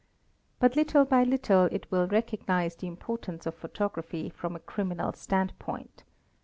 But little by little it will recognise the importance of photography from a criminal standpoint.